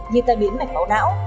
như tai biến mạch máu não